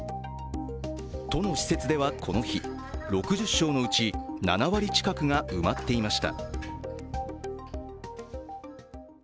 都の施設ではこの日６０床のうち７割近くが埋まっていました。